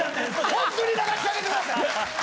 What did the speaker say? ほんとに流してあげてください！